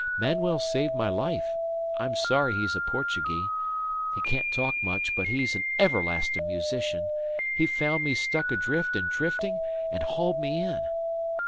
Manuel saved my life. I'm sorry he's a Portuguee. He can't talk much, but he's an everlasting musician. He found me struck adrift and drifting, and hauled me in."